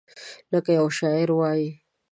لکه یو شاعر وایي: